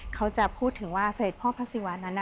เขาจะพูดถึงว่าเสด็จพ่อพระศิวะนั้น